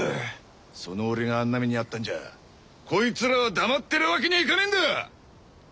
その俺があんな目に遭ったんじゃこいつらは黙ってるわけにはいかねえんだ！